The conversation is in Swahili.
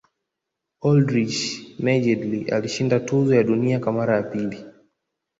oldrich nejedly alishinda tuzo ya dunia kwa mara ya pili